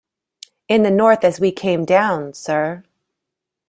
In the north as we came down, sir.